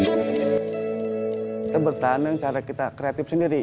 kita bertahan dengan cara kita kreatif sendiri